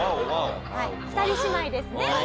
２人姉妹ですね。